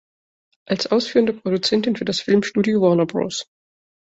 Als ausführende Produzentin für das Filmstudio Warner Bros.